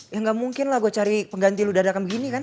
ya gak mungkin lah gue cari pengganti ludadakan begini kan